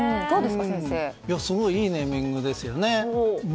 すごいいいネーミングですよね。